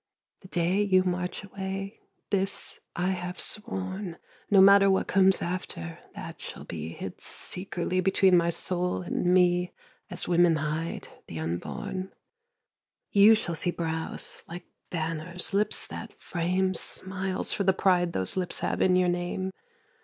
The day you march away this I have sworn, No matter what comes after, that shall be Hid secretly between my soul and me As women hide the unborn You shall see brows like banners, lips that frame Smiles, for the pride those lips have in your name.